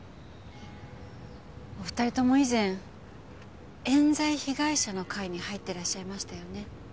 お二人とも以前冤罪被害者の会に入ってらっしゃいましたよね。